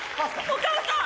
お母さん！